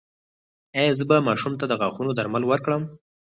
ایا زه باید ماشوم ته د غاښونو درمل ورکړم؟